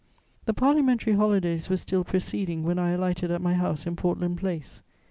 ] The parliamentary holidays were still proceeding when I alighted at my house in Portland Place.